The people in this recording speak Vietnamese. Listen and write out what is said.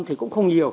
thì cũng không nhiều